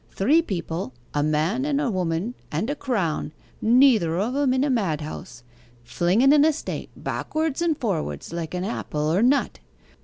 three people, a man and a woman, and a Crown neither o' em in a madhouse flingen an estate backwards and forwards like an apple or nut?